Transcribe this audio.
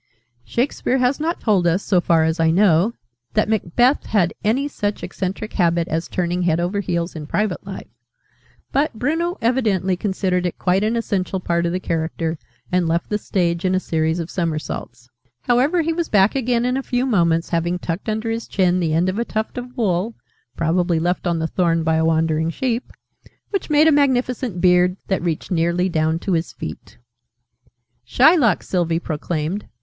Shakespeare has not told us, so far as I know, that Macbeth had any such eccentric habit as turning head over heels in private life: but Bruno evidently considered it quite an essential part of the character, and left the stage in a series of somersaults. However, he was back again in a few moments, having tucked under his chin the end of a tuft of wool (probably left on the thorn by a wandering sheep), which made a magnificent beard, that reached nearly down to his feet. "Shylock!" Sylvie proclaimed.